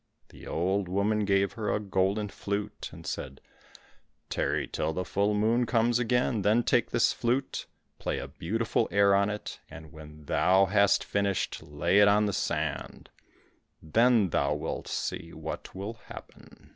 The old woman gave her a golden flute, and said, "Tarry till the full moon comes again, then take this flute; play a beautiful air on it, and when thou hast finished, lay it on the sand; then thou wilt see what will happen."